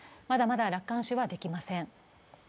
まだまだ楽観視はできません。